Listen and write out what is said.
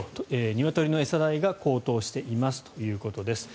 ニワトリの餌代が高騰していますということです。